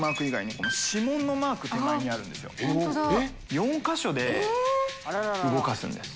４か所で動かすんです。